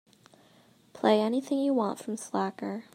Play anything you want from Slacker